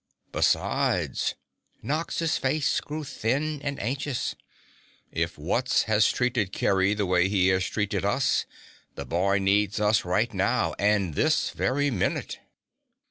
Besides," Nox's face grew thin and anxious, "if Wutz has treated Kerry the way he has treated us, the boy needs us right now and this very minute."